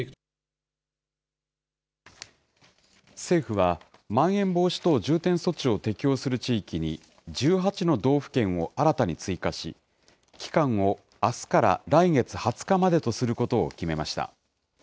政府は、まん延防止等重点措置を適用する地域に、１８の道府県を新たに追加し、期間をあすから来月２０日までとすることを決めました。